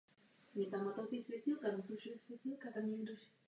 Příkladem může být násobení velkých prvočísel.